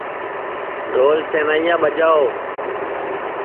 ڈھول سینائیاں ٻجاؤ